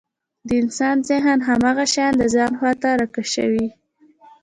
د انسان ذهن هماغه شيان د ځان خواته راکشوي.